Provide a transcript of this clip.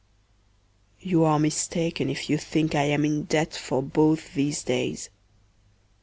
You are mistaken if you think I am in debt for both these days.